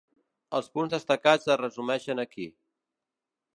Els punts destacats es resumeixen aquí.